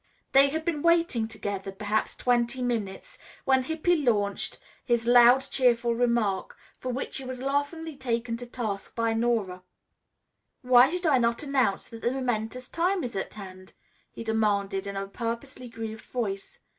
They had been waiting together perhaps twenty minutes, when Hippy launched his loud, cheerful remark, for which he was laughingly taken to task by Nora. "Why should I not announce that the momentous time is at hand?" he demanded in a purposely grieved voice.